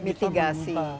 maksudnya bisa mengubah